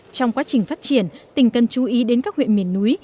trong quá trình phát triển tỉnh cần chú ý đến các huyện miền núi